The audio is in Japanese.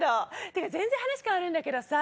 てか全然話変わるんだけどさ